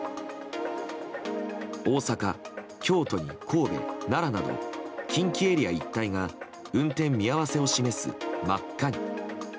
大阪、京都に神戸、奈良など近畿エリア一帯が運転見合わせを示す真っ赤に。